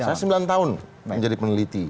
saya sembilan tahun menjadi peneliti